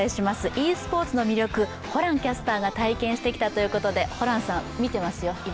ｅスポーツの魅力、ホランキャスターが体験してきたということでホランさん、見ていますよ、今。